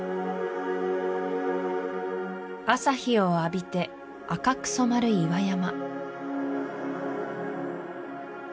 朝日を浴びて赤く染まる岩山